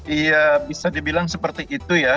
iya bisa dibilang seperti itu ya